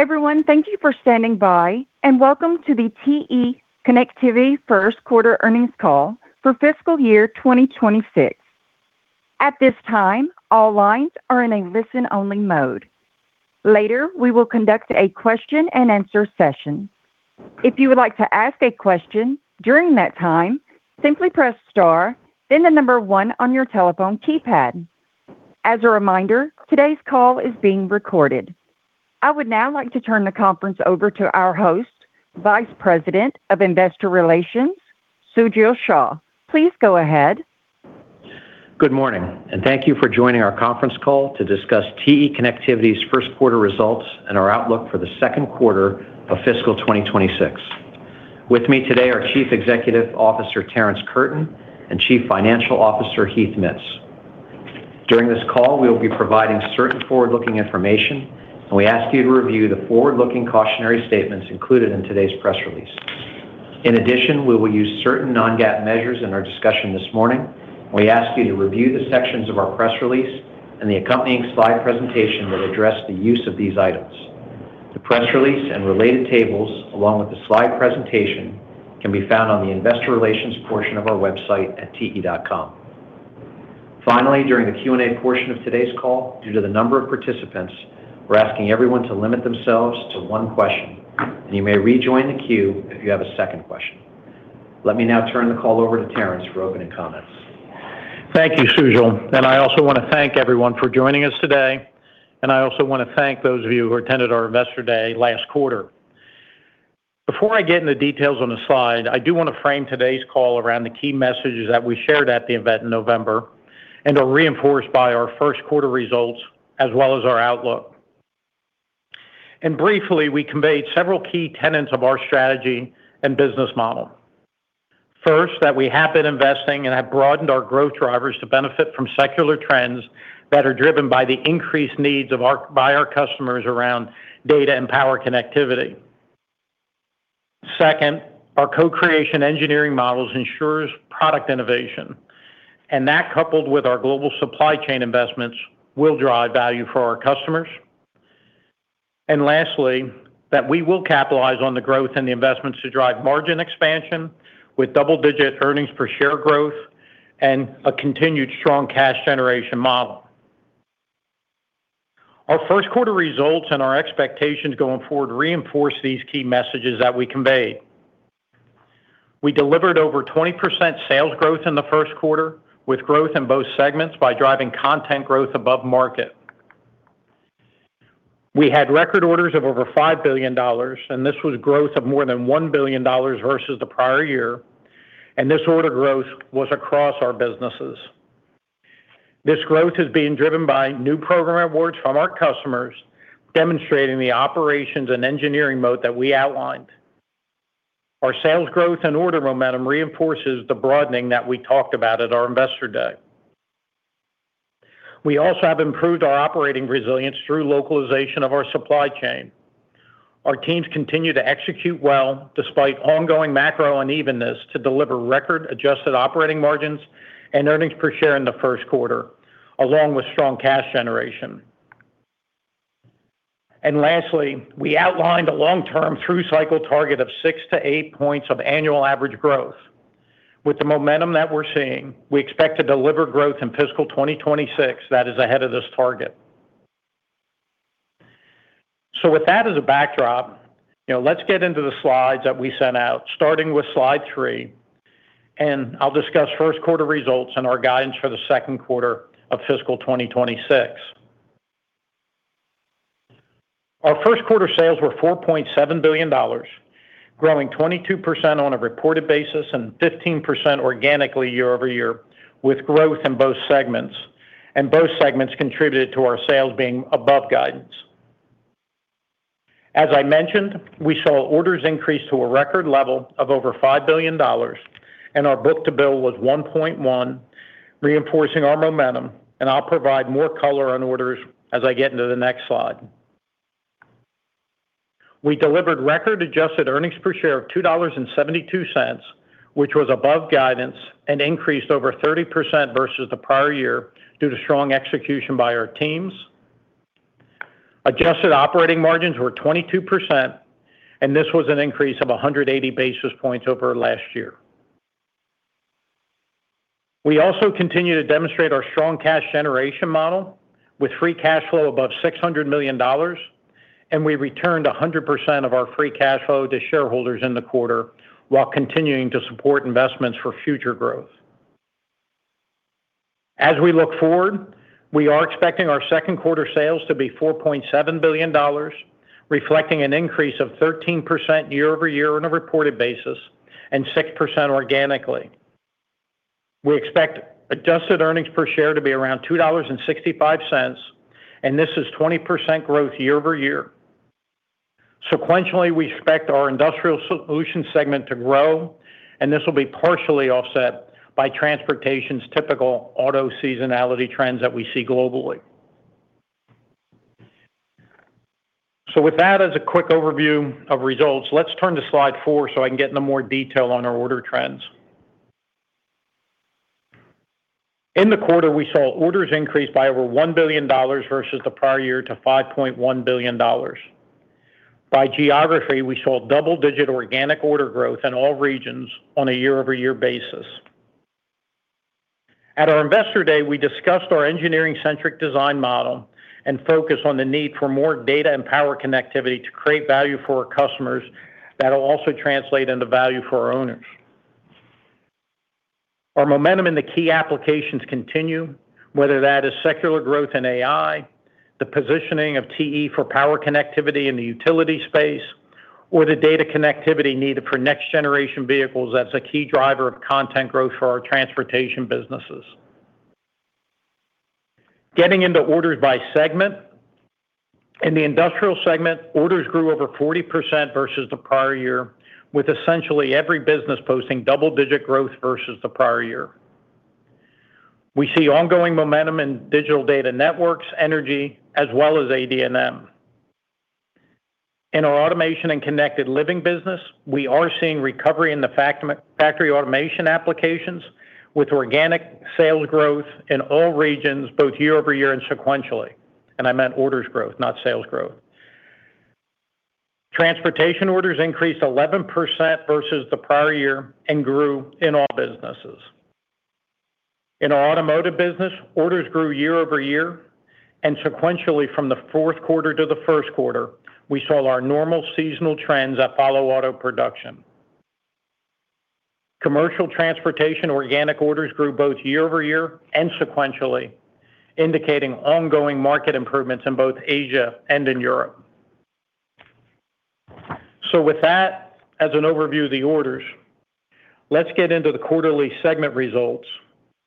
Everyone, thank you for standing by, and welcome to the TE Connectivity First Quarter Earnings Call for Fiscal Year 2026. At this time, all lines are in a listen-only mode. Later, we will conduct a question-and-answer session. If you would like to ask a question during that time, simply press star, then the number one on your telephone keypad. As a reminder, today's call is being recorded. I would now like to turn the conference over to our host, Vice President of Investor Relations, Sujal Shah. Please go ahead. Good morning, and thank you for joining our conference call to discuss TE Connectivity's first quarter results and our outlook for the second quarter of fiscal 2026. With me today are Chief Executive Officer Terrence Curtin and Chief Financial Officer Heath Mitts. During this call, we will be providing certain forward-looking information, and we ask you to review the forward-looking cautionary statements included in today's press release. In addition, we will use certain non-GAAP measures in our discussion this morning, and we ask you to review the sections of our press release and the accompanying slide presentation that address the use of these items. The press release and related tables, along with the slide presentation, can be found on the Investor Relations portion of our website at te.com. Finally, during the Q&A portion of today's call, due to the number of participants, we're asking everyone to limit themselves to one question, and you may rejoin the queue if you have a second question. Let me now turn the call over to Terrence for opening comments. Thank you, Sujal. And I also want to thank everyone for joining us today, and I also want to thank those of you who attended our Investor Day last quarter. Before I get into the details on the slide, I do want to frame today's call around the key messages that we shared at the event in November and are reinforced by our first quarter results as well as our outlook. And briefly, we conveyed several key tenets of our strategy and business model. First, that we have been investing and have broadened our growth drivers to benefit from secular trends that are driven by the increased needs by our customers around data and power connectivity. Second, our co-creation engineering models ensure product innovation, and that, coupled with our global supply chain investments, will drive value for our customers. And lastly, that we will capitalize on the growth and the investments to drive margin expansion with double-digit earnings per share growth and a continued strong cash generation model. Our first quarter results and our expectations going forward reinforce these key messages that we conveyed. We delivered over 20% sales growth in the first quarter with growth in both segments by driving content growth above market. We had record orders of over $5 billion, and this was growth of more than $1 billion versus the prior year, and this order growth was across our businesses. This growth is being driven by new program awards from our customers, demonstrating the operations and engineering mode that we outlined. Our sales growth and order momentum reinforces the broadening that we talked about at our Investor Day. We also have improved our operating resilience through localization of our supply chain. Our teams continue to execute well despite ongoing macro unevenness to deliver record-adjusted operating margins and earnings per share in the first quarter, along with strong cash generation. And lastly, we outlined a long-term through cycle target of six to eight points of annual average growth. With the momentum that we're seeing, we expect to deliver growth in fiscal 2026 that is ahead of this target. So with that as a backdrop, let's get into the slides that we sent out, starting with slide three, and I'll discuss first quarter results and our guidance for the second quarter of fiscal 2026. Our first quarter sales were $4.7 billion, growing 22% on a reported basis and 15% organically year-over-year, with growth in both segments, and both segments contributed to our sales being above guidance. As I mentioned, we saw orders increase to a record level of over $5 billion, and our book-to-bill was 1.1, reinforcing our momentum, and I'll provide more color on orders as I get into the next slide. We delivered record-adjusted earnings per share of $2.72, which was above guidance and increased over 30% versus the prior year due to strong execution by our teams. Adjusted operating margins were 22%, and this was an increase of 180 basis points over last year. We also continue to demonstrate our strong cash generation model with free cash flow above $600 million, and we returned 100% of our free cash flow to shareholders in the quarter while continuing to support investments for future growth. As we look forward, we are expecting our second quarter sales to be $4.7 billion, reflecting an increase of 13% year-over-year on a reported basis and 6% organically. We expect adjusted earnings per share to be around $2.65, and this is 20% growth year-over-year. Sequentially, we expect our Industrial Solutions segment to grow, and this will be partially offset by Transportation's typical auto seasonality trends that we see globally. So with that as a quick overview of results, let's turn to slide four so I can get into more detail on our order trends. In the quarter, we saw orders increase by over $1 billion versus the prior year to $5.1 billion. By geography, we saw double-digit organic order growth in all regions on a year-over-year basis. At our Investor Day, we discussed our engineering-centric design model and focus on the need for more data and power connectivity to create value for our customers that will also translate into value for our owners. Our momentum in the key applications continue, whether that is secular growth in AI, the positioning of TE for power connectivity in the utility space, or the data connectivity needed for next-generation vehicles as a key driver of content growth for our transportation businesses. Getting into orders by segment, in the Industrial segment, orders grew over 40% versus the prior year, with essentially every business posting double-digit growth versus the prior year. We see ongoing momentum in digital data networks, energy, as well as AD&M. In our automation and connected living business, we are seeing recovery in the factory automation applications with organic sales growth in all regions, both year-over-year and sequentially. I meant orders growth, not sales growth. Transportation orders increased 11% versus the prior year and grew in all businesses. In our Automotive business, orders grew year-over-year, and sequentially from the fourth quarter to the first quarter, we saw our normal seasonal trends that follow auto production. Commercial Transportation organic orders grew both year-over-year and sequentially, indicating ongoing market improvements in both Asia and in Europe. With that as an overview of the orders, let's get into the quarterly segment results,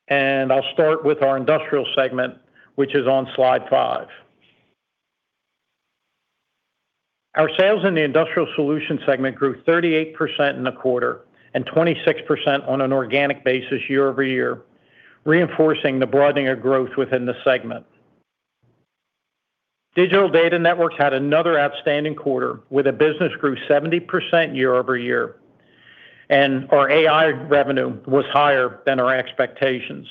and I'll start with our Industrial segment, which is on slide five. Our sales in the Industrial Solutions segment grew 38% in the quarter and 26% on an organic basis year-over-year, reinforcing the broadening of growth within the segment. Digital Data Networks had another outstanding quarter with a business growth of 70% year-over-year, and our AI revenue was higher than our expectations.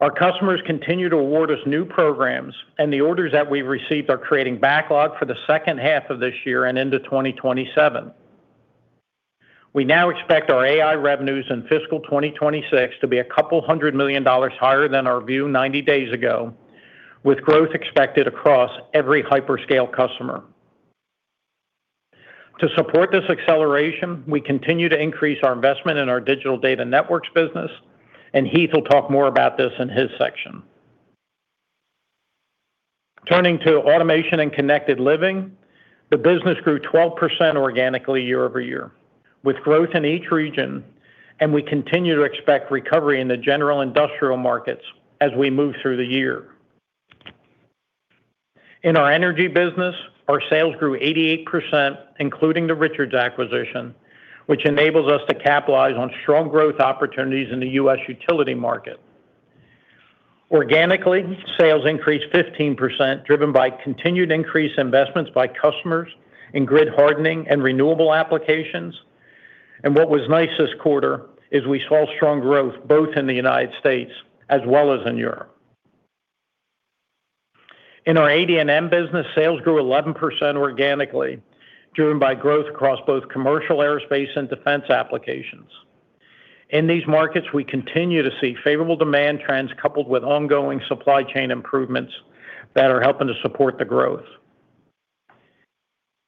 Our customers continue to award us new programs, and the orders that we've received are creating backlog for the second half of this year and into 2027. We now expect our AI revenues in fiscal 2026 to be $200 million higher than our view 90 days ago, with growth expected across every hyperscale customer. To support this acceleration, we continue to increase our investment in our Digital Data Networks business, and Heath will talk more about this in his section. Turning to Automation and Connected Living, the business grew 12% organically year-over-year, with growth in each region, and we continue to expect recovery in the general industrial markets as we move through the year. In our Energy business, our sales grew 88%, including the Richards acquisition, which enables us to capitalize on strong growth opportunities in the U.S. utility market. Organically, sales increased 15%, driven by continued increase in investments by customers in grid hardening and renewable applications, and what was nice this quarter is we saw strong growth both in the United States as well as in Europe. In our AD&M business, sales grew 11% organically, driven by growth across both commercial, aerospace, and defense applications. In these markets, we continue to see favorable demand trends coupled with ongoing supply chain improvements that are helping to support the growth,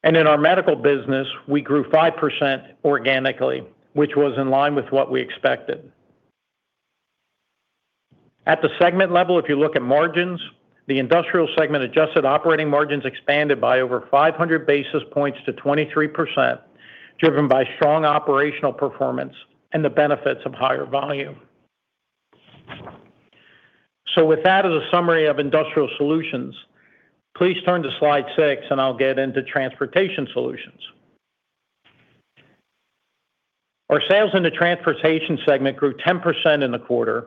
and in our Medical business, we grew 5% organically, which was in line with what we expected. At the segment level, if you look at margins, the Industrial segment adjusted operating margins expanded by over 500 basis points to 23%, driven by strong operational performance and the benefits of higher volume, so with that as a summary of Industrial Solutions, please turn to slide six, and I'll get into Transportation Solutions. Our sales in the Transportation segment grew 10% in the quarter,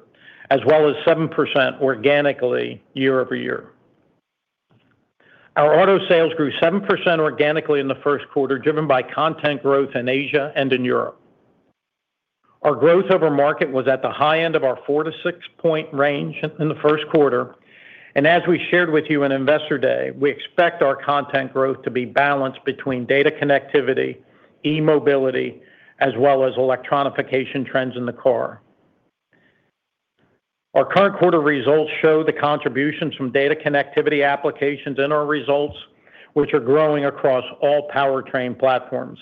as well as 7% organically year-over-year. Our auto sales grew 7% organically in the first quarter, driven by content growth in Asia and in Europe. Our growth over market was at the high end of our four to six-point range in the first quarter, and as we shared with you in Investor Day, we expect our content growth to be balanced between data connectivity, e-mobility, as well as electronification trends in the car. Our current quarter results show the contributions from data connectivity applications in our results, which are growing across all powertrain platforms.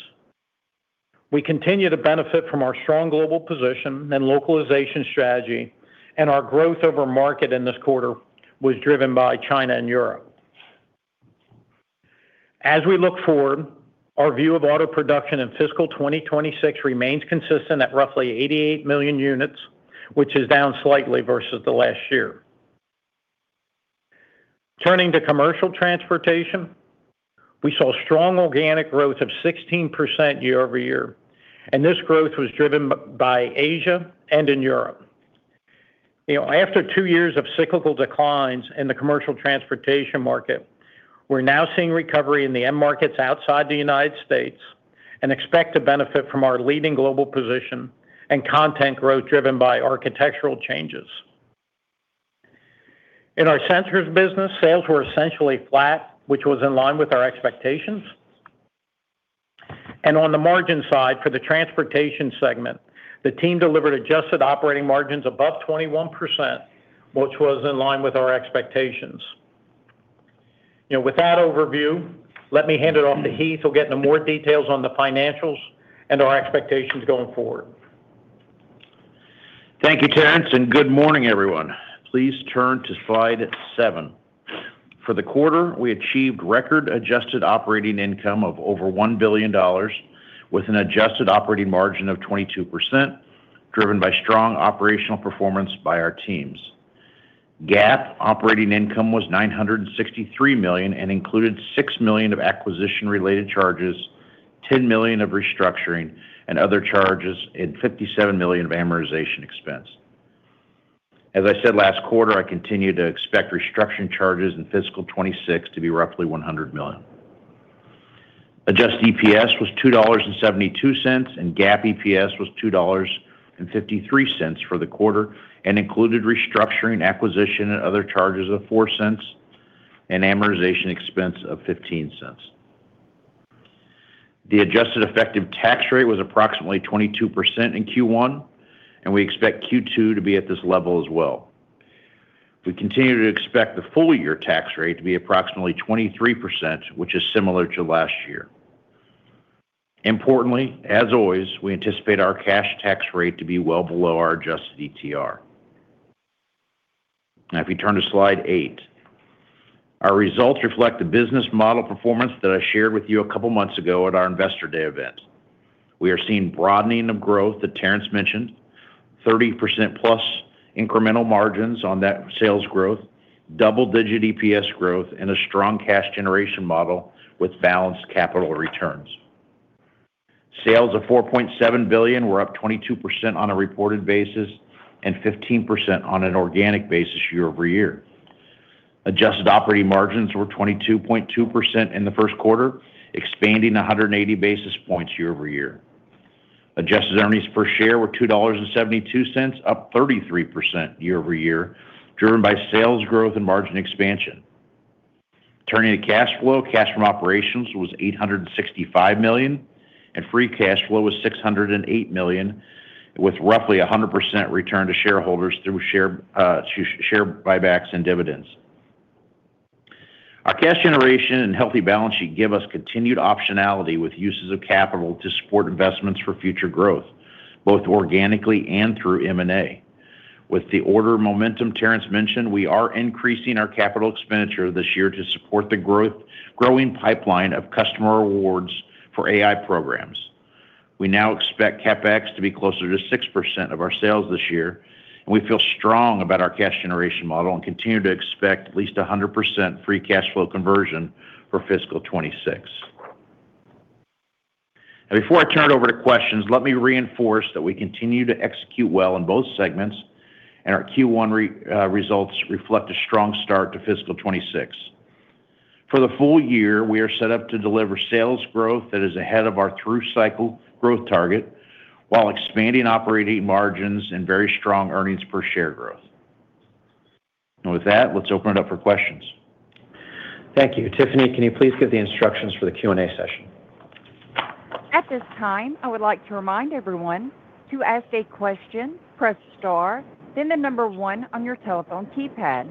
We continue to benefit from our strong global position and localization strategy, and our growth over market in this quarter was driven by China and Europe. As we look forward, our view of auto production in fiscal 2026 remains consistent at roughly 88 million units, which is down slightly versus the last year. Turning to Commercial Transportation, we saw strong organic growth of 16% year-over-year, and this growth was driven by Asia and in Europe. After two years of cyclical declines in the Commercial Transportation market, we're now seeing recovery in the end markets outside the United States and expect to benefit from our leading global position and content growth driven by architectural changes. In our Sensors business, sales were essentially flat, which was in line with our expectations. And on the margin side, for the Transportation segment, the team delivered adjusted operating margins above 21%, which was in line with our expectations. With that overview, let me hand it off to Heath. He'll get into more details on the financials and our expectations going forward. Thank you, Terrence, and good morning, everyone. Please turn to slide seven. For the quarter, we achieved record-adjusted operating income of over $1 billion, with an adjusted operating margin of 22%, driven by strong operational performance by our teams. GAAP operating income was $963 million and included $6 million of acquisition-related charges, $10 million of restructuring, and other charges, and $57 million of amortization expense. As I said last quarter, I continue to expect restructuring charges in fiscal 2026 to be roughly $100 million. Adjusted EPS was $2.72, and GAAP EPS was $2.53 for the quarter and included restructuring, acquisition, and other charges of $0.04 and amortization expense of $0.15. The adjusted effective tax rate was approximately 22% in Q1, and we expect Q2 to be at this level as well. We continue to expect the full-year tax rate to be approximately 23%, which is similar to last year. Importantly, as always, we anticipate our cash tax rate to be well below our adjusted ETR. Now, if you turn to slide eight, our results reflect the business model performance that I shared with you a couple months ago at our Investor Day event. We are seeing broadening of growth that Terrence mentioned, 30% plus incremental margins on that sales growth, double-digit EPS growth, and a strong cash generation model with balanced capital returns. Sales of $4.7 billion were up 22% on a reported basis and 15% on an organic basis year-over-year. Adjusted operating margins were 22.2% in the first quarter, expanding 180 basis points year-over-year. Adjusted earnings per share were $2.72, up 33% year-over-year, driven by sales growth and margin expansion. Turning to cash flow, cash from operations was $865 million, and free cash flow was $608 million, with roughly 100% return to shareholders through share buybacks and dividends. Our cash generation and healthy balance sheet give us continued optionality with uses of capital to support investments for future growth, both organically and through M&A. With the order momentum Terrence mentioned, we are increasing our capital expenditure this year to support the growing pipeline of customer awards for AI programs. We now expect CapEx to be closer to 6% of our sales this year, and we feel strong about our cash generation model and continue to expect at least 100% free cash flow conversion for fiscal 2026. Before I turn it over to questions, let me reinforce that we continue to execute well in both segments, and our Q1 results reflect a strong start to fiscal 2026. For the full year, we are set up to deliver sales growth that is ahead of our through cycle growth target while expanding operating margins and very strong earnings per share growth. With that, let's open it up for questions. Thank you. Tiffany, can you please give the instructions for the Q&A session? At this time, I would like to remind everyone to ask a question, press star, then the number one on your telephone keypad.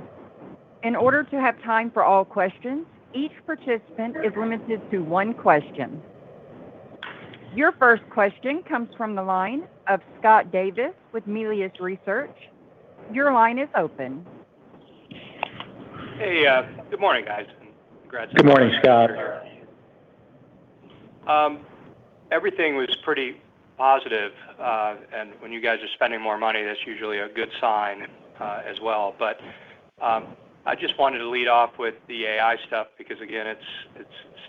In order to have time for all questions, each participant is limited to one question. Your first question comes from the line of Scott Davis with Melius Research. Your line is open. Hey, good morning, guys. Congratulations. Good morning, Scott. Everything was pretty positive. And when you guys are spending more money, that's usually a good sign as well. But I just wanted to lead off with the AI stuff because, again, it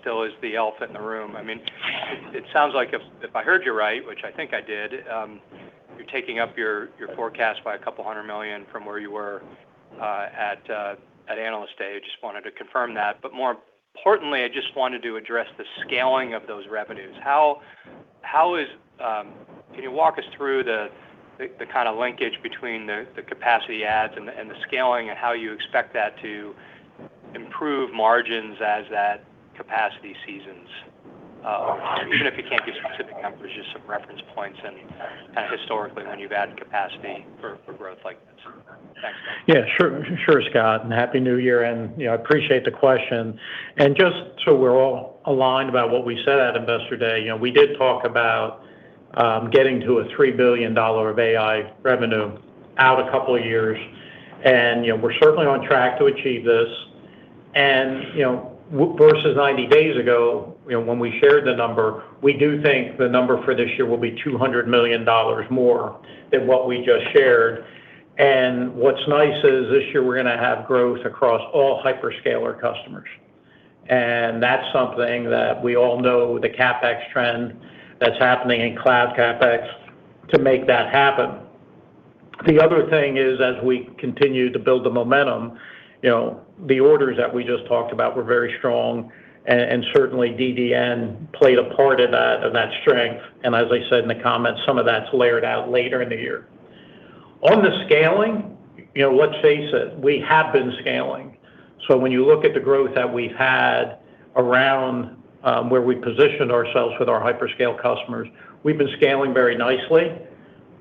still is the elephant in the room. I mean, it sounds like if I heard you right, which I think I did, you're taking up your forecast by a couple hundred million from where you were at Analyst Day. I just wanted to confirm that. But more importantly, I just wanted to address the scaling of those revenues. Can you walk us through the kind of linkage between the capacity adds and the scaling and how you expect that to improve margins as that capacity seasons? Even if you can't give specific numbers, just some reference points and kind of historically when you've added capacity for growth like this. Thanks. Yeah, sure, Scott. And happy new year. And I appreciate the question. And just so we're all aligned about what we said at Investor Day, we did talk about getting to a $3 billion of AI revenue out a couple of years. And we're certainly on track to achieve this. And versus 90 days ago, when we shared the number, we do think the number for this year will be $200 million more than what we just shared. And what's nice is this year we're going to have growth across all hyperscaler customers. And that's something that we all know, the CapEx trend that's happening in Cloud CapEx to make that happen. The other thing is, as we continue to build the momentum, the orders that we just talked about were very strong. And certainly, DDN played a part in that strength. And as I said in the comments, some of that's played out later in the year. On the scaling, let's face it, we have been scaling. So when you look at the growth that we've had around where we positioned ourselves with our hyperscaler customers, we've been scaling very nicely.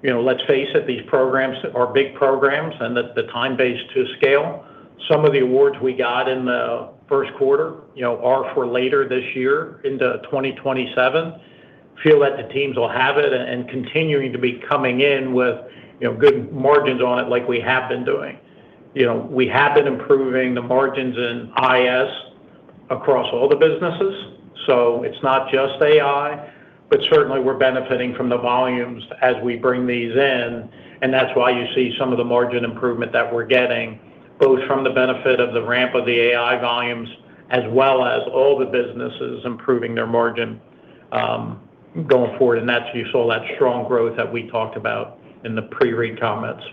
Let's face it, these programs are big programs and the timeframe to scale. Some of the awards we got in the first quarter are for later this year into 2027. Feel that the teams will have it and continuing to be coming in with good margins on it like we have been doing. We have been improving the margins in IS across all the businesses. So it's not just AI, but certainly we're benefiting from the volumes as we bring these in. And that's why you see some of the margin improvement that we're getting, both from the benefit of the ramp of the AI volumes as well as all the businesses improving their margin going forward. And that's what you saw that strong growth that we talked about in the pre-read comments.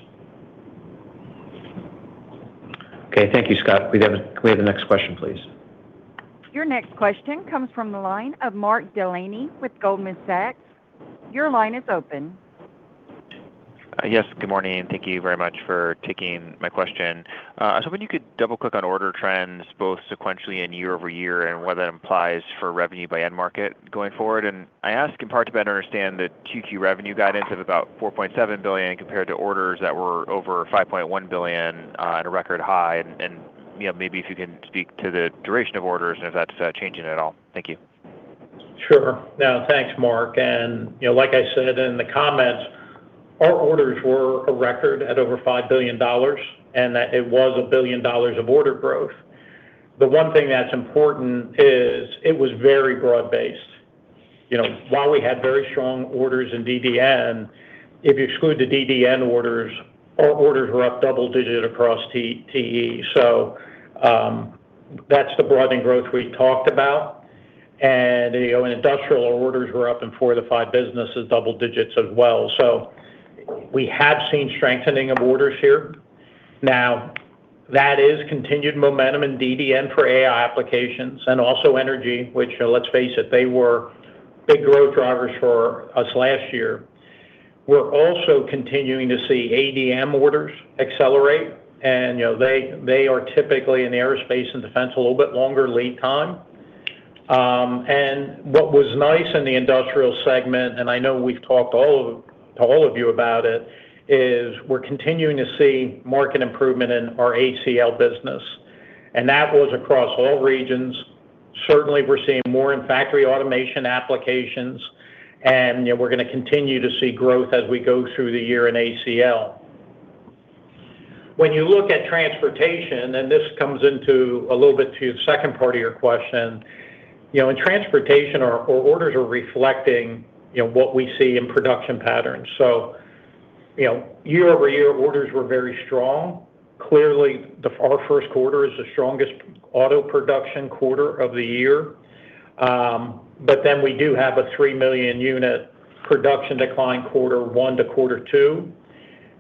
Okay, thank you, Scott. We have the next question, please. Your next question comes from the line of Mark Delaney with Goldman Sachs. Your line is open. Yes, good morning. Thank you very much for taking my question. I was hoping you could double-click on order trends, both sequentially and year-over-year, and what that implies for revenue by end market going forward. And I ask in part to better understand the QQ revenue guidance of about $4.7 billion compared to orders that were over $5.1 billion at a record high. And maybe if you can speak to the duration of orders and if that's changing at all. Thank you. Sure. Now, thanks, Mark. And like I said in the comments, our orders were a record at over $5 billion and that it was $1 billion of order growth. The one thing that's important is it was very broad-based. While we had very strong orders in DDN, if you exclude the DDN orders, our orders were up double-digit across TE. So that's the broadening growth we talked about. In industrial, our orders were up in four to five businesses, double digits as well. We have seen strengthening of orders here. Now, that is continued momentum in DDN for AI applications and also energy, which let's face it, they were big growth drivers for us last year. We're also continuing to see AD&M orders accelerate. They are typically in the aerospace and defense a little bit longer lead time. What was nice in the Industrial segment, and I know we've talked to all of you about it, is we're continuing to see market improvement in our ACL business. That was across all regions. Certainly, we're seeing more in factory automation applications. We're going to continue to see growth as we go through the year in ACL. When you look at transportation, and this comes into a little bit to the second part of your question, in transportation, our orders are reflecting what we see in production patterns. So year-over-year, orders were very strong. Clearly, our first quarter is the strongest auto production quarter of the year. But then we do have a 3 million unit production decline quarter one to quarter two.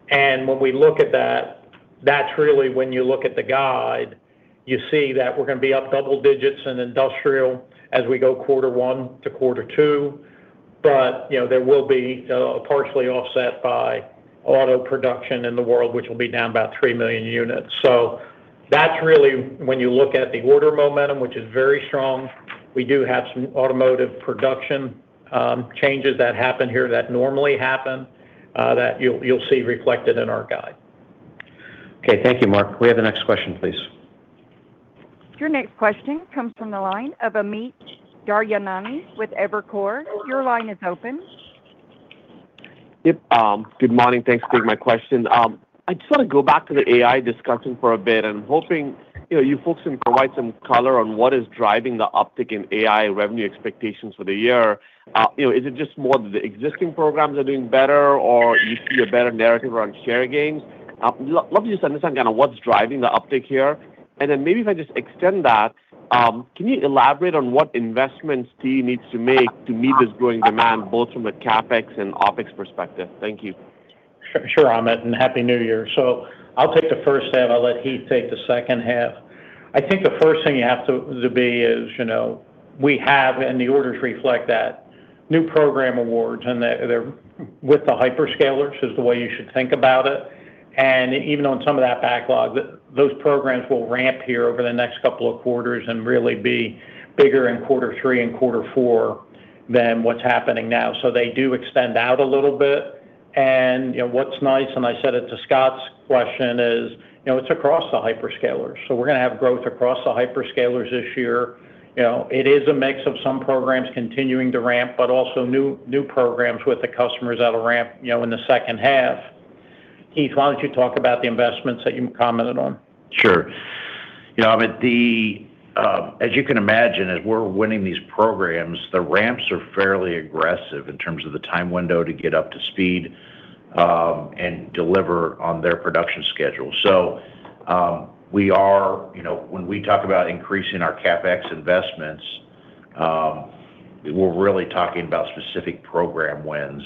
And when we look at that, that's really when you look at the guide, you see that we're going to be up double digits in industrial as we go quarter one to quarter two. But there will be a partial offset by auto production in the world, which will be down about 3 million units. So that's really when you look at the order momentum, which is very strong. We do have some automotive production changes that happen here that normally happen that you'll see reflected in our guide. Okay, thank you, Mark. We have the next question, please. Your next question comes from the line of Amit Daryanani with Evercore. Your line is open. Good morning. Thanks for taking my question. I just want to go back to the AI discussion for a bit, and I'm hoping you folks can provide some color on what is driving the uptick in AI revenue expectations for the year. Is it just more that the existing programs are doing better, or you see a better narrative around share gains? I'd love to just understand kind of what's driving the uptick here, and then maybe if I just extend that, can you elaborate on what investments TE needs to make to meet this growing demand, both from a CapEx and OpEx perspective? Thank you. Sure, Amit. And happy new year. So I'll take the first half. I'll let Heath take the second half. I think the first thing you have to be is we have, and the orders reflect that, new program awards. And with the hyperscalers is the way you should think about it. And even on some of that backlog, those programs will ramp here over the next couple of quarters and really be bigger in quarter three and quarter four than what's happening now. So they do extend out a little bit. And what's nice, and I said it to Scott's question, is it's across the hyperscalers. So we're going to have growth across the hyperscalers this year. It is a mix of some programs continuing to ramp, but also new programs with the customers that will ramp in the second half. Heath, why don't you talk about the investments that you commented on? Sure. As you can imagine, as we're winning these programs, the ramps are fairly aggressive in terms of the time window to get up to speed and deliver on their production schedule. So when we talk about increasing our CapEx investments, we're really talking about specific program wins.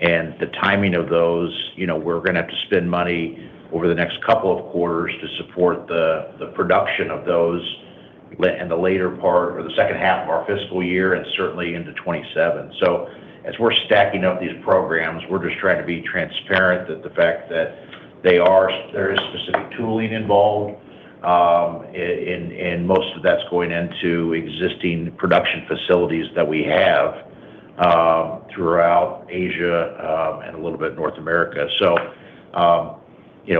And the timing of those, we're going to have to spend money over the next couple of quarters to support the production of those in the later part or the second half of our fiscal year and certainly into 2027. So as we're stacking up these programs, we're just trying to be transparent that the fact that there is specific tooling involved, and most of that's going into existing production facilities that we have throughout Asia and a little bit North America. So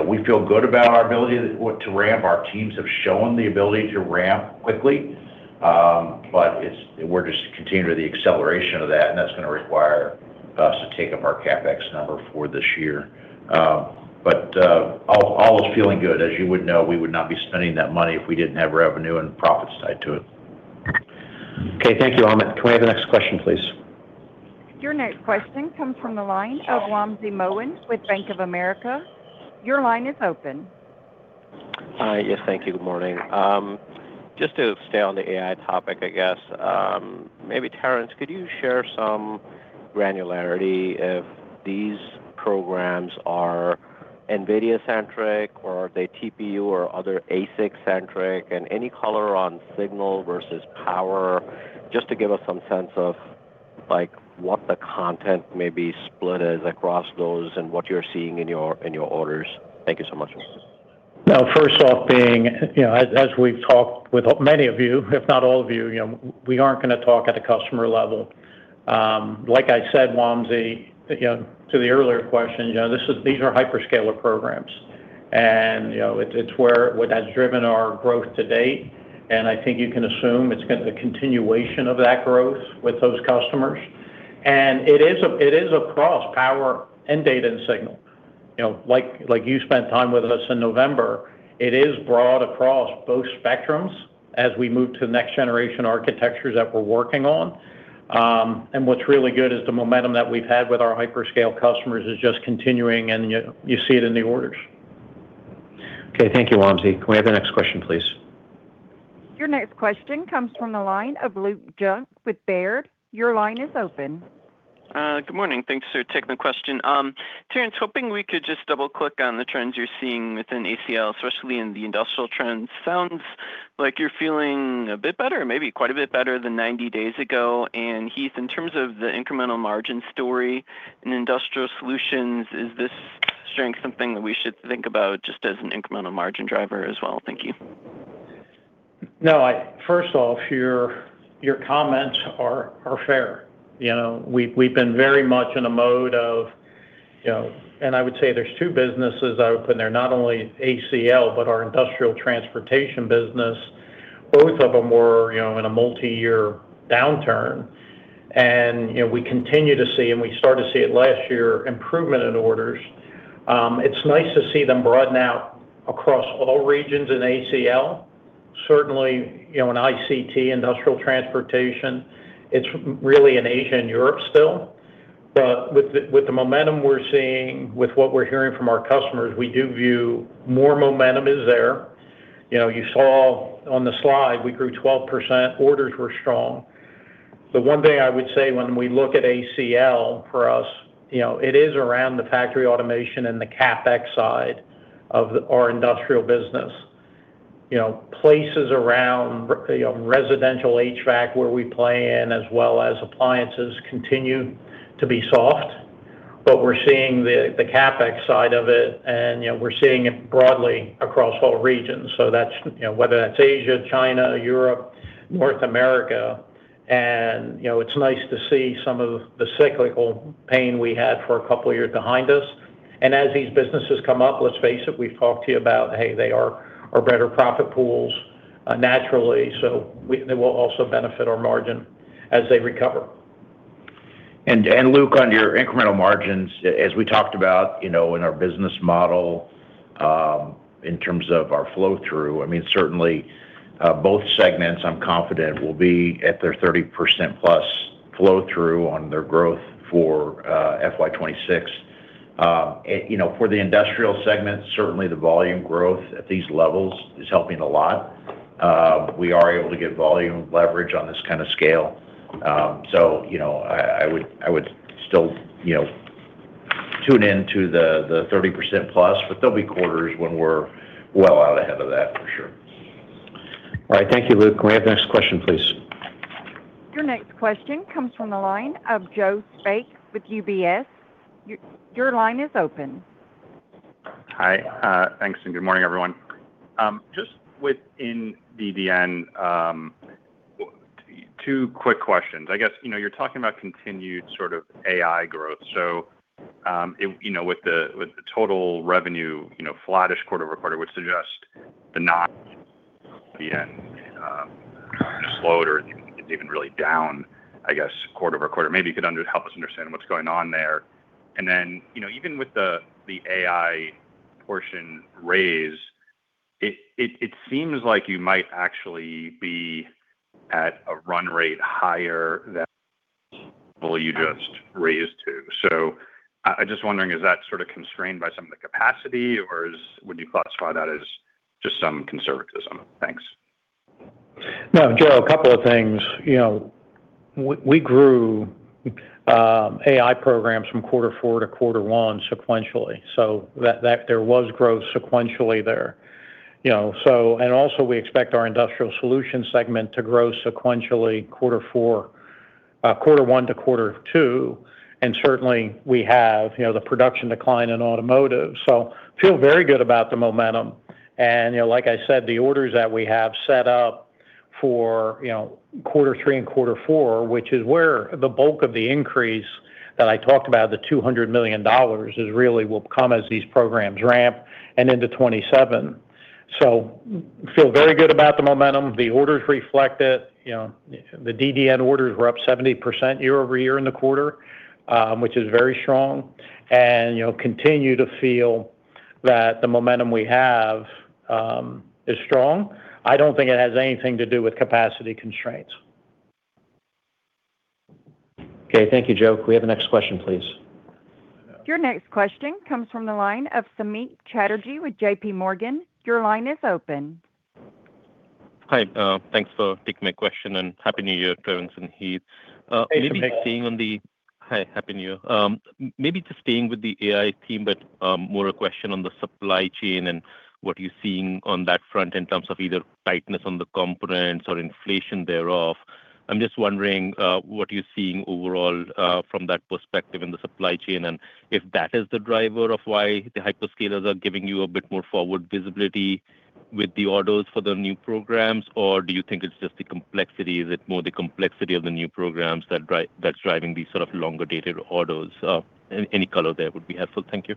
we feel good about our ability to ramp. Our teams have shown the ability to ramp quickly. But we're just continuing to the acceleration of that. And that's going to require us to take up our CapEx number for this year. But all is feeling good. As you would know, we would not be spending that money if we didn't have revenue and profits tied to it. Okay, thank you, Amit. Can we have the next question, please? Your next question comes from the line of Wamsi Mohan with Bank of America. Your line is open. Yes, thank you. Good morning. Just to stay on the AI topic, I guess, maybe Terrence, could you share some granularity if these programs are NVIDIA-centric or are they TPU or other ASIC-centric and any color on signal versus power, just to give us some sense of what the content may be split as across those and what you're seeing in your orders? Thank you so much. Now, first off, being as we've talked with many of you, if not all of you, we aren't going to talk at a customer level. Like I said, Wamsi, to the earlier question, these are hyperscaler programs. And it's what has driven our growth to date. And I think you can assume it's going to be a continuation of that growth with those customers. And it is across power and data and signal. Like you spent time with us in November, it is broad across both spectrums as we move to the next generation architectures that we're working on. What's really good is the momentum that we've had with our hyperscale customers is just continuing, and you see it in the orders. Okay, thank you, Wamsi. Can we have the next question, please? Your next question comes from the line of Luke Junk with Baird. Your line is open. Good morning. Thanks for taking the question. Terrence, hoping we could just double-click on the trends you're seeing within ACL, especially in the industrial trends. Sounds like you're feeling a bit better, maybe quite a bit better than 90 days ago. Heath, in terms of the incremental margin story in Industrial Solutions, is this strength something that we should think about just as an incremental margin driver as well? Thank you. No, first off, your comments are fair. We've been very much in a mode of, and I would say there's two businesses I would put in there, not only ACL, but our industrial transportation business. Both of them were in a multi-year downturn. And we continue to see, and we started to see it last year, improvement in orders. It's nice to see them broaden out across all regions in ACL. Certainly, in ICT, industrial transportation, it's really in Asia and Europe still. But with the momentum we're seeing, with what we're hearing from our customers, we do view more momentum is there. You saw on the slide, we grew 12%. Orders were strong. The one thing I would say when we look at ACL for us, it is around the factory automation and the CapEx side of our industrial business. Places around residential HVAC where we play in, as well as appliances, continue to be soft, but we're seeing the CapEx side of it, and we're seeing it broadly across all regions, so whether that's Asia, China, Europe, North America, and it's nice to see some of the cyclical pain we had for a couple of years behind us, and as these businesses come up, let's face it, we've talked to you about, hey, they are our better profit pools naturally, so they will also benefit our margin as they recover, And Luke, on your incremental margins, as we talked about in our business model in terms of our flow-through, I mean, certainly both segments, I'm confident, will be at their 30% plus flow-through on their growth for FY 2026. For the Industrial segment, certainly the volume growth at these levels is helping a lot. We are able to get volume leverage on this kind of scale. So I would still tune into the 30% plus, but there'll be quarters when we're well out ahead of that for sure. All right. Thank you, Luke. Can we have the next question, please? Your next question comes from the line of Joe Spak with UBS. Your line is open. Hi. Thanks. And good morning, everyone. Just within DDN, two quick questions. I guess you're talking about continued sort of AI growth. So with the total revenue flattish quarter over quarter, which suggests the non-DDN slowed or is even really down, I guess, quarter over quarter, maybe you could help us understand what's going on there. And then even with the AI portion raised, it seems like you might actually be at a run rate higher than you just raised to. So I'm just wondering, is that sort of constrained by some of the capacity, or would you classify that as just some conservatism? Thanks. No, Joe, a couple of things. We grew AI programs from quarter four to quarter one sequentially. So there was growth sequentially there. And also, we expect our Industrial Solutions segment to grow sequentially quarter one to quarter two. And certainly, we have the production decline in Automotive. So I feel very good about the momentum. And like I said, the orders that we have set up for quarter three and quarter four, which is where the bulk of the increase that I talked about, the $200 million, is really will come as these programs ramp and into 2027. So I feel very good about the momentum. The orders reflect it. The DDN orders were up 70% year-over-year in the quarter, which is very strong. And continue to feel that the momentum we have is strong. I don't think it has anything to do with capacity constraints. Okay. Thank you, Joe. Can we have the next question, please? Your next question comes from the line of Samik Chatterjee with JPMorgan. Your line is open. Hi. Thanks for taking my question. And happy new year, Terrence and Heath. Thank you. Maybe just staying on the, hi, happy new year. Maybe just staying with the AI team, but more a question on the supply chain and what you're seeing on that front in terms of either tightness on the components or inflation thereof. I'm just wondering, what are you seeing overall from that perspective in the supply chain? And if that is the driver of why the hyperscalers are giving you a bit more forward visibility with the orders for the new programs, or do you think it's just the complexity? Is it more the complexity of the new programs that's driving these sort of longer-dated orders? Any color there would be helpful. Thank you.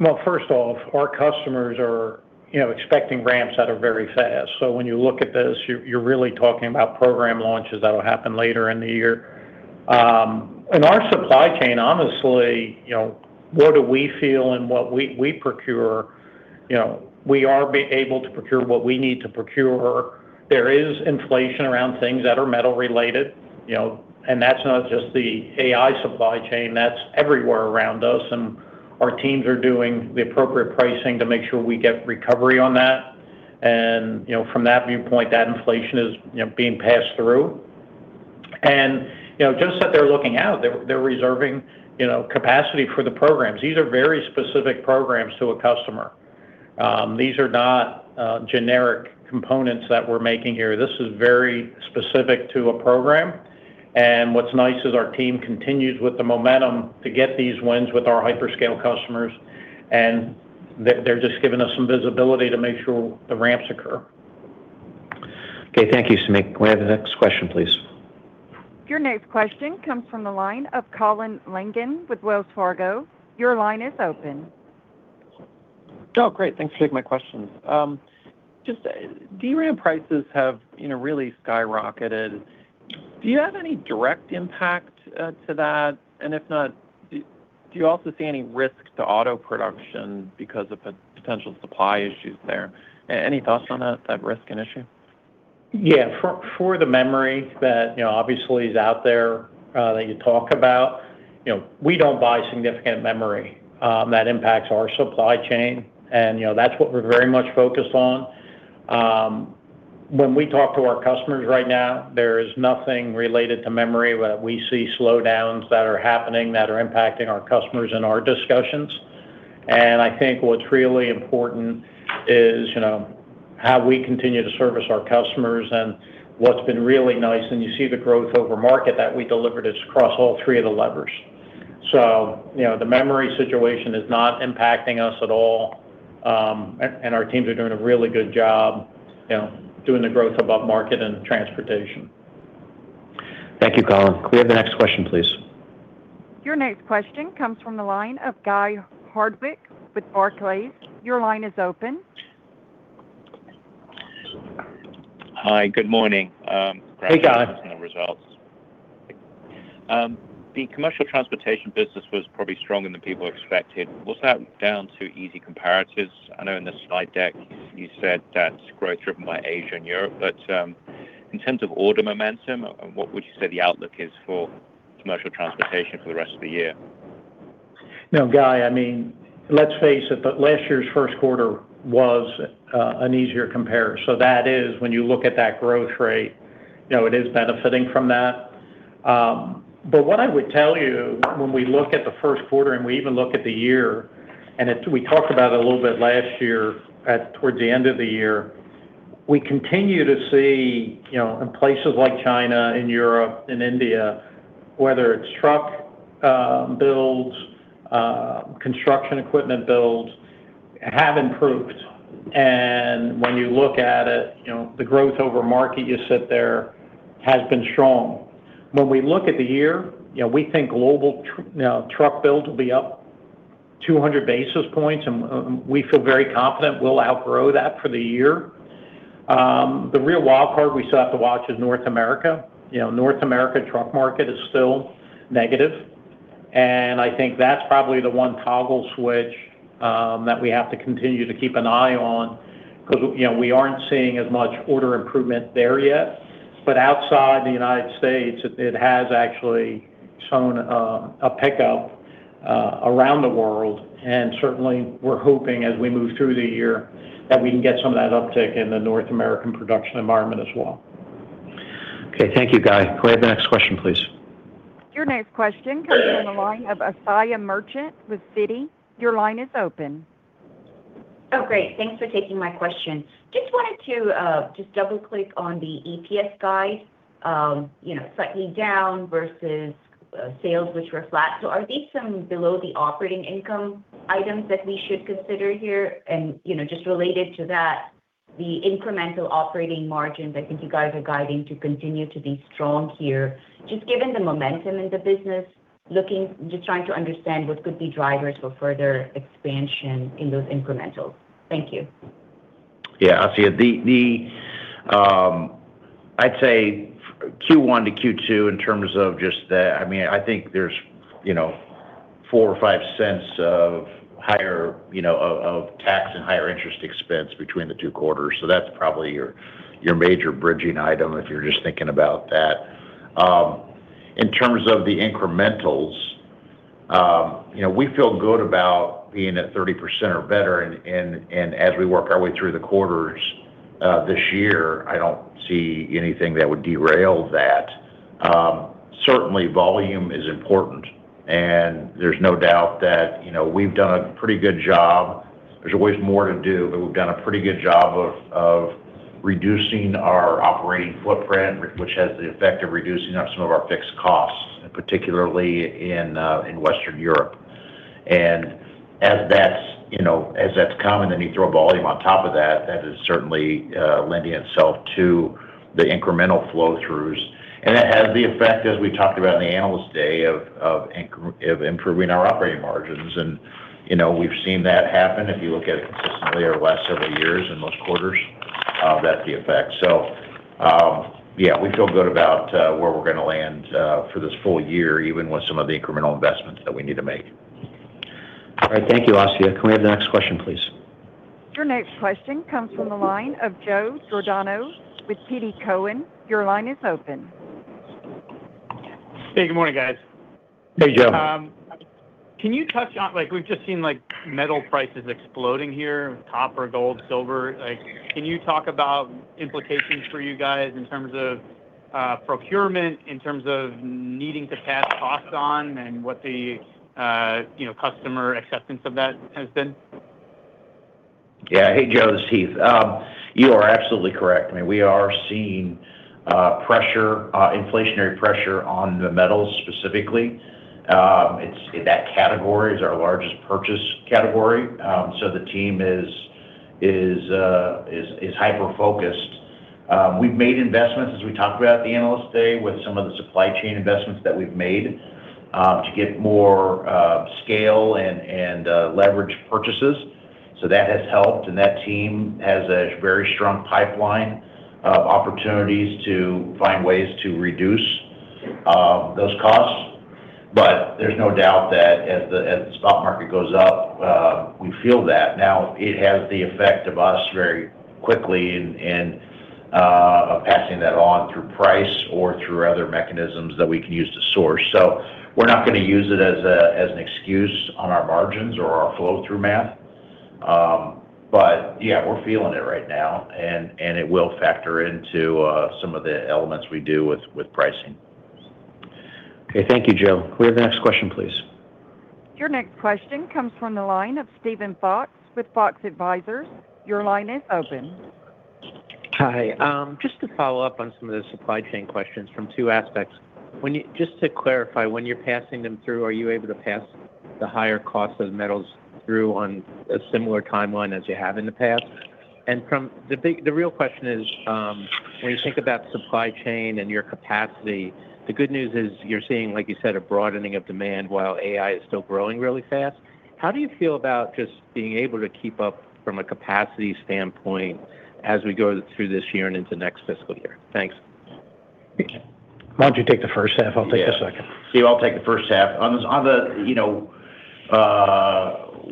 Well, first off, our customers are expecting ramps that are very fast. So when you look at this, you're really talking about program launches that will happen later in the year. In our supply chain, honestly, what do we feel and what we procure? We are able to procure what we need to procure. There is inflation around things that are metal-related. And that's not just the AI supply chain. That's everywhere around us. And our teams are doing the appropriate pricing to make sure we get recovery on that. From that viewpoint, that inflation is being passed through. And just that they're looking out, they're reserving capacity for the programs. These are very specific programs to a customer. These are not generic components that we're making here. This is very specific to a program. And what's nice is our team continues with the momentum to get these wins with our hyperscale customers. And they're just giving us some visibility to make sure the ramps occur. Okay. Thank you, Samik. Can we have the next question, please? Your next question comes from the line of Colin Langan with Wells Fargo. Your line is open. Oh, great. Thanks for taking my question. Just DRAM prices have really skyrocketed. Do you have any direct impact to that? And if not, do you also see any risk to auto production because of potential supply issues there? Any thoughts on that risk and issue? Yeah. For the memory that obviously is out there that you talk about, we don't buy significant memory. That impacts our supply chain, and that's what we're very much focused on. When we talk to our customers right now, there is nothing related to memory that we see slowdowns that are happening that are impacting our customers in our discussions, and I think what's really important is how we continue to service our customers and what's been really nice, and you see the growth over market that we delivered across all three of the levers, so the memory situation is not impacting us at all, and our teams are doing a really good job doing the growth above market and transportation. Thank you, Colin. Can we have the next question, please? Your next question comes from the line of Guy Hardwick with Barclays. Your line is open. Hi. Good morning. Congratulations on the results. The commercial transportation business was probably stronger than people expected. Was that down to easy comparisons? I know in the slide deck, you said that's growth driven by Asia and Europe. But in terms of order momentum, what would you say the outlook is for commercial transportation for the rest of the year? No, Guy, I mean, let's face it, last year's first quarter was an easier comparison. So that is, when you look at that growth rate, it is benefiting from that. But what I would tell you, when we look at the first quarter and we even look at the year, and we talked about it a little bit last year towards the end of the year, we continue to see in places like China and Europe and India, whether it's truck builds, construction equipment builds, have improved. And when you look at it, the growth over market you sit there has been strong. When we look at the year, we think global truck builds will be up 200 basis points. And we feel very confident we'll outgrow that for the year. The real wild card we still have to watch is North America. North America truck market is still negative. And I think that's probably the one toggle switch that we have to continue to keep an eye on because we aren't seeing as much order improvement there yet. But outside the United States, it has actually shown a pickup around the world. And certainly, we're hoping as we move through the year that we can get some of that uptick in the North American production environment as well. Okay. Thank you, Guy. Can we have the next question, please? Your next question comes from the line of Asiya Merchant with Citi. Your line is open. Oh, great. Thanks for taking my question. Just wanted to just double-click on the EPS guide, slightly down versus sales, which were flat. So are these some below-the-operating-income items that we should consider here? And just related to that, the incremental operating margins, I think you guys are guiding to continue to be strong here, just given the momentum in the business, just trying to understand what could be drivers for further expansion in those incrementals. Thank you. Yeah. I'd say Q1 to Q2 in terms of just that. I mean, I think there's $0.04 or $0.05 of tax and higher interest expense between the two quarters. So that's probably your major bridging item if you're just thinking about that. In terms of the incrementals, we feel good about being at 30% or better. And as we work our way through the quarters this year, I don't see anything that would derail that. Certainly, volume is important. And there's no doubt that we've done a pretty good job. There's always more to do, but we've done a pretty good job of reducing our operating footprint, which has the effect of reducing some of our fixed costs, particularly in Western Europe. And as that's common and you throw volume on top of that, that is certainly lending itself to the incremental flow-throughs. That has the effect, as we talked about in the Analyst Day, of improving our operating margins. We've seen that happen if you look at it consistently over the last several years and most quarters. That's the effect. So yeah, we feel good about where we're going to land for this full year, even with some of the incremental investments that we need to make. All right. Thank you, Asiya. Can we have the next question, please? Your next question comes from the line of Joe Giordano with TD Cowen. Your line is open. Hey, good morning, guys. Can you touch on, we've just seen metal prices exploding here, copper, gold, silver. Can you talk about implications for you guys in terms of procurement, in terms of needing to pass costs on, and what the customer acceptance of that has been? Yeah. Hey, Joe. It's Heath. You are absolutely correct. I mean, we are seeing inflationary pressure on the metals specifically. That category is our largest purchase category. So the team is hyper-focused. We've made investments, as we talked about at the Analyst Day, with some of the supply chain investments that we've made to get more scale and leverage purchases. So that has helped. And that team has a very strong pipeline of opportunities to find ways to reduce those costs. But there's no doubt that as the stock market goes up, we feel that. Now, it has the effect of us very quickly and passing that on through price or through other mechanisms that we can use to source. So we're not going to use it as an excuse on our margins or our flow-through math. But yeah, we're feeling it right now. And it will factor into some of the elements we do with pricing. Okay. Thank you, Joe. Can we have the next question, please? Your next question comes from the line of Steven Fox with Fox Advisors. Your line is open. Hi. Just to follow up on some of the supply chain questions from two aspects. Just to clarify, when you're passing them through, are you able to pass the higher cost of metals through on a similar timeline as you have in the past? And the real question is, when you think about supply chain and your capacity, the good news is you're seeing, like you said, a broadening of demand while AI is still growing really fast. How do you feel about just being able to keep up from a capacity standpoint as we go through this year and into next fiscal year? Thanks. Why don't you take the first half? I'll take the second. Yeah. I'll take the first half. On that,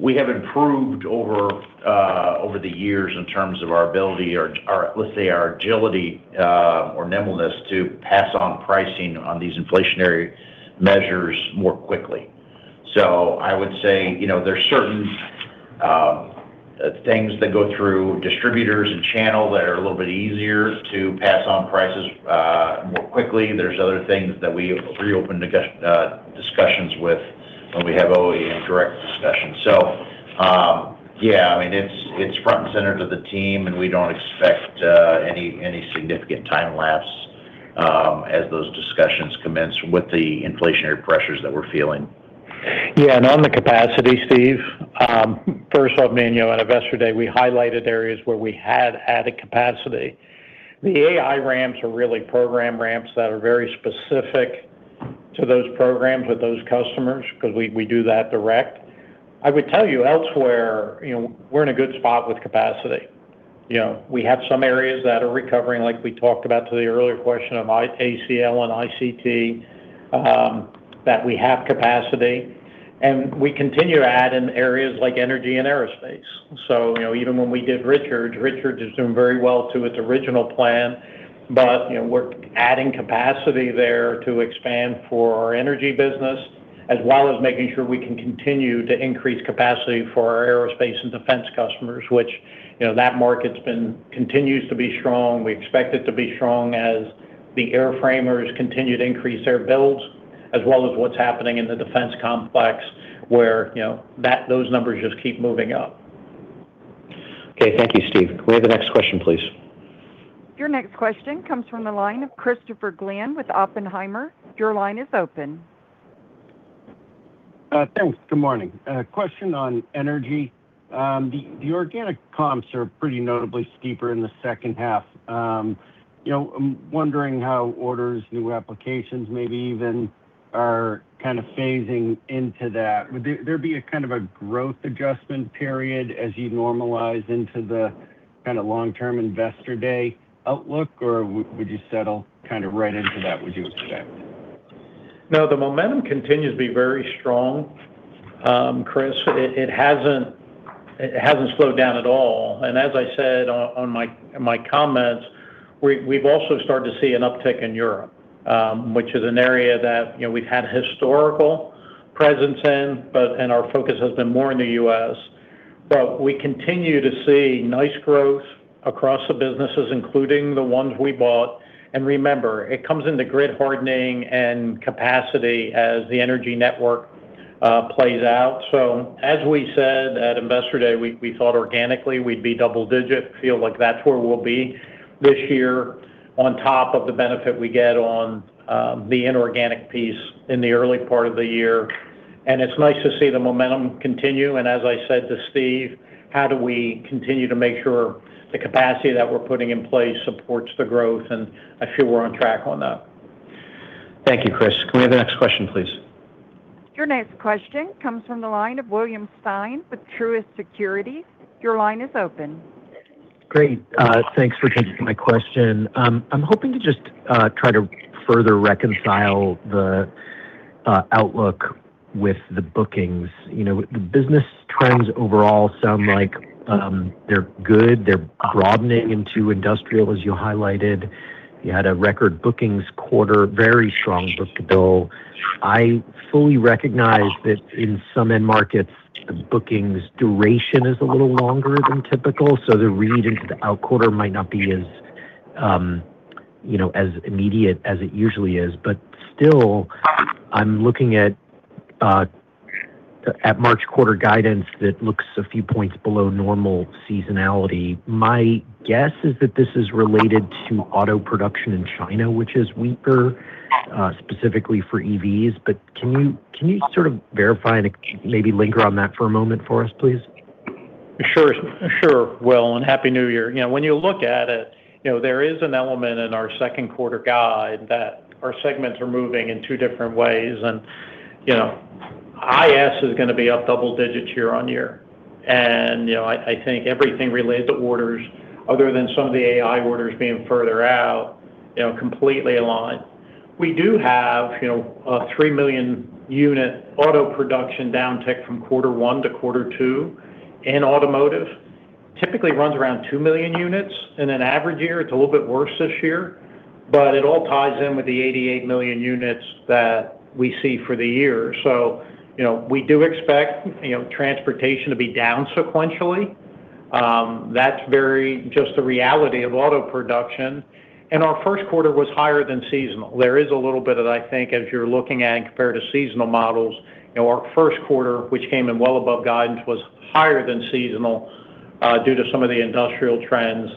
we have improved over the years in terms of our ability, let's say our agility or nimbleness to pass on pricing on these inflationary measures more quickly. So I would say there's certain things that go through distributors and channel that are a little bit easier to pass on prices more quickly. There's other things that we reopen discussions with when we have OEM direct discussions. So yeah, I mean, it's front and center to the team, and we don't expect any significant time lapse as those discussions commence with the inflationary pressures that we're feeling. Yeah. And on the capacity, Steve, first off, I mean, on an Investor Day, we highlighted areas where we had added capacity. The AI ramps are really program ramps that are very specific to those programs with those customers because we do that direct. I would tell you elsewhere, we're in a good spot with capacity. We have some areas that are recovering, like we talked about to the earlier question of ACL and ICT, that we have capacity. And we continue adding areas like energy and aerospace. So even when we did Richards, Richards has done very well to its original plan. But we're adding capacity there to expand for our energy business, as well as making sure we can continue to increase capacity for our aerospace and defense customers, which that market continues to be strong. We expect it to be strong as the airframers continue to increase their builds, as well as what's happening in the defense complex where those numbers just keep moving up. Okay. Thank you, Steve. Can we have the next question, please? Your next question comes from the line of Christopher Glynn with Oppenheimer. Your line is open. Thanks. Good morning. Question on energy. The organic comps are pretty notably steeper in the second half. I'm wondering how orders, new applications, maybe even are kind of phasing into that. Would there be a kind of a growth adjustment period as you normalize into the kind of long-term investor day outlook, or would you settle kind of right into that, would you expect? No, the momentum continues to be very strong, Chris. It hasn't slowed down at all, and as I said on my comments, we've also started to see an uptick in Europe, which is an area that we've had historical presence in, and our focus has been more in the U.S. But we continue to see nice growth across the businesses, including the ones we bought. And remember, it comes into grid hardening and capacity as the energy network plays out. So as we said at investor day, we thought organically we'd be double-digit. Feel like that's where we'll be this year on top of the benefit we get on the inorganic piece in the early part of the year. And it's nice to see the momentum continue. And as I said to Steve, how do we continue to make sure the capacity that we're putting in place supports the growth? And I feel we're on track on that. Thank you, Chris. Can we have the next question, please? Your next question comes from the line of William Stein with Truist Securities. Your line is open. Great. Thanks for taking my question. I'm hoping to just try to further reconcile the outlook with the bookings. The business trends overall sound like they're good. They're broadening into industrial, as you highlighted. You had a record bookings quarter, very strong book-to-bill. I fully recognize that in some end markets, the bookings duration is a little longer than typical. So the read into the out quarter might not be as immediate as it usually is. But still, I'm looking at March quarter guidance that looks a few points below normal seasonality. My guess is that this is related to auto production in China, which is weaker, specifically for EVs. But can you sort of verify and maybe linger on that for a moment for us, please? Sure. Sure. Well, and Happy New Year. When you look at it, there is an element in our second quarter guide that our segments are moving in two different ways. And IS is going to be up double digits year-on-year. And I think everything related to orders, other than some of the AI orders being further out, completely aligned. We do have a three million unit auto production downtick from quarter one to quarter two. And automotive typically runs around two million units. And in average year, it's a little bit worse this year. But it all ties in with the 88 million units that we see for the year. So we do expect transportation to be down sequentially. That's very just the reality of auto production. And our first quarter was higher than seasonal. There is a little bit of, I think, as you're looking at and compared to seasonal models, our first quarter, which came in well above guidance, was higher than seasonal due to some of the industrial trends.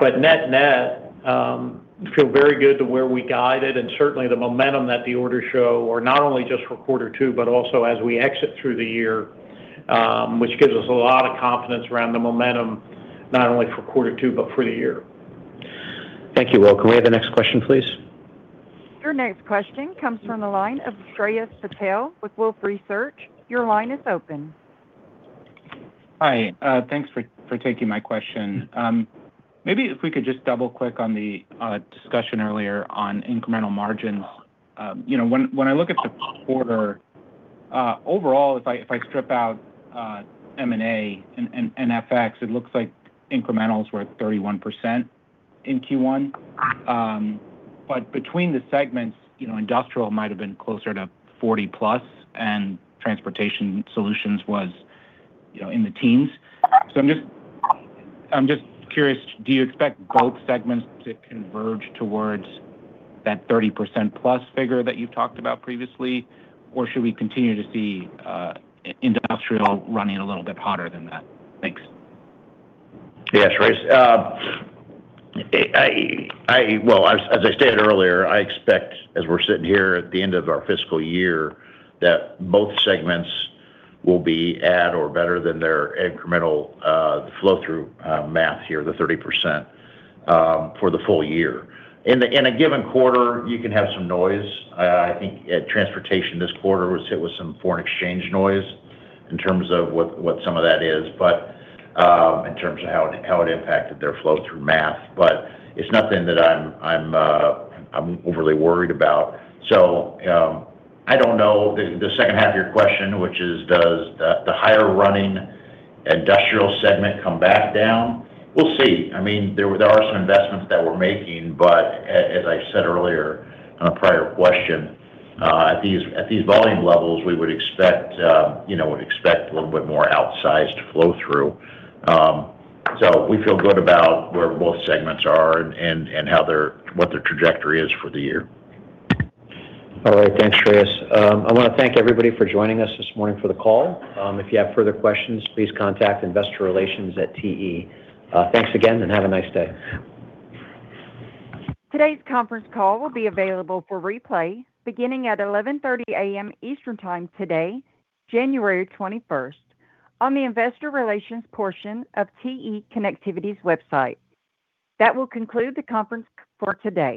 But net net, I feel very good to where we guided. And certainly, the momentum that the orders show, not only just for quarter two, but also as we exit through the year, which gives us a lot of confidence around the momentum, not only for quarter two, but for the year. Thank you, Will. Can we have the next question, please? Your next question comes from the line of Shreyas Patil with Wolfe Research. Your line is open. Hi. Thanks for taking my question. Maybe if we could just double-click on the discussion earlier on incremental margins. When I look at the quarter, overall, if I strip out M&A and FX, it looks like incrementals were at 31% in Q1. But between the segments, industrial might have been closer to 40-plus, and Transportation Solutions was in the teens. So I'm just curious, do you expect both segments to converge towards that 30%-plus figure that you've talked about previously, or should we continue to see industrial running a little bit hotter than that? Thanks. Yeah, sure. Well, as I stated earlier, I expect, as we're sitting here at the end of our fiscal year, that both segments will be at or better than their incremental flow-through math here, the 30% for the full year. In a given quarter, you can have some noise. I think transportation this quarter was hit with some foreign exchange noise in terms of what some of that is, but in terms of how it impacted their flow-through math. But it's nothing that I'm overly worried about. So I don't know the second half of your question, which is, does the higher-running Industrial segment come back down? We'll see. I mean, there are some investments that we're making. But as I said earlier on a prior question, at these volume levels, we would expect a little bit more outsized flow-through. So we feel good about where both segments are and what their trajectory is for the year. All right. Thanks, Shreyas. I want to thank everybody for joining us this morning for the call. If you have further questions, please contact investorrelations@te.com. Thanks again, and have a nice day. Today's conference call will be available for replay beginning at 11:30 A.M. Eastern Time today, January 21st, on the investor relations portion of TE Connectivity's website. That will conclude the conference for today.